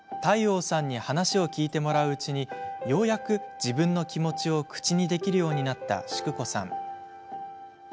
諦應さんに話を聞いてもらううちにようやく自分の気持ちを口にできるようになった淑子さん。